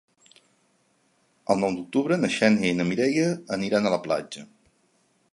El nou d'octubre na Xènia i na Mireia aniran a la platja.